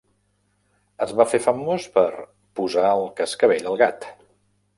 Es va fer famós per "posar el cascavell al gat".